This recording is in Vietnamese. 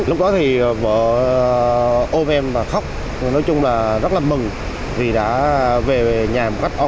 lúc đó thì vợ ôm em và khóc nói chung là rất là mừng vì đã về nhà một cách an toàn